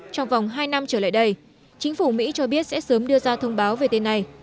trong vòng hai năm trở lại đây chính phủ mỹ cho biết sẽ sớm đưa ra thông báo về tên này